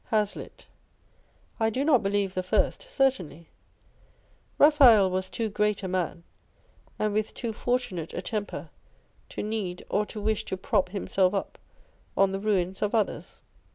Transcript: Hazlitt. I do not believe the first, certainly. Raphael was too great a man, and with too fortunate a temper, to need or to wish to prop himself up on the ruins of others.